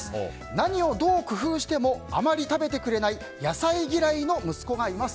何をどう工夫してもあまり食べてくれない野菜嫌いの息子がいます。